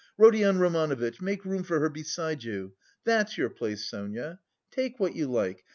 Rodion Romanovitch, make room for her beside you. That's your place, Sonia... take what you like.